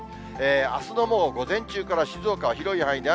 あすの午前中から静岡は広い範囲で雨。